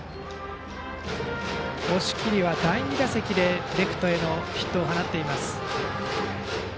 押切は第２打席でレフトへのヒットを放ちました。